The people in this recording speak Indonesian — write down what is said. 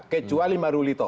kecuali maruli toh